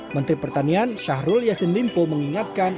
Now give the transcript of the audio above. menteri pertanian syahrul yassin limpo mengingatkan